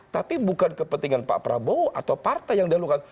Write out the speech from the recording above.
tapi bukan kepentingan pak prabowo atau partai yang dia lakukan